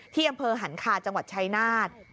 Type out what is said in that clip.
ที่อำเภอหันคาจังหวัดชายนาฏ